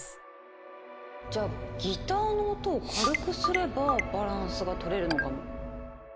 じゃあギターの音を軽くすればバランスが取れるのかも。